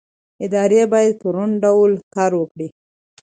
ادارې باید په روڼ ډول کار وکړي